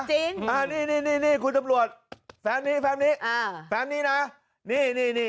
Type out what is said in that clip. จริงนี่คุณตำรวจแป๊บนี้นี่